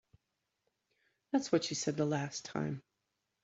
That's what she said the last time.